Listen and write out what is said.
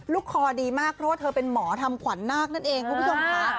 คอดีมากเพราะว่าเธอเป็นหมอทำขวัญนาคนั่นเองคุณผู้ชมค่ะ